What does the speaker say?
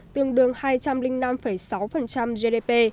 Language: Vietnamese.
tương đương hai trăm linh năm sáu gdp